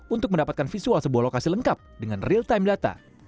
untuk mendapatkan visual sebuah lokasi lengkap dengan real time data